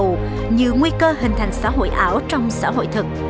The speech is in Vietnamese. các thách thức toàn cầu như nguy cơ hình thành xã hội ảo trong xã hội thực